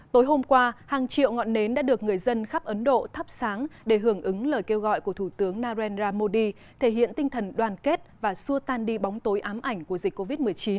tối hôm qua hàng triệu ngọn nến đã được người dân khắp ấn độ thắp sáng để hưởng ứng lời kêu gọi của thủ tướng narendra modi thể hiện tinh thần đoàn kết và xua tan đi bóng tối ám ảnh của dịch covid một mươi chín